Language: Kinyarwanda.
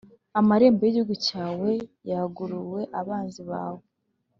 amarembo y’igihugu cyawe yāguriwe abanzi bawe